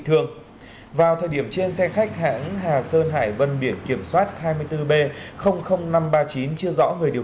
vào thời điểm trên xe khách hãng hà sơn hải vân biển kiểm soát hai mươi bốn b năm trăm ba mươi chín chưa rõ người điều